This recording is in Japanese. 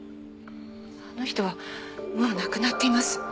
あの人はもう亡くなっています。